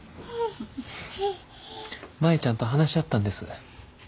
舞ちゃんと話し合ったんです。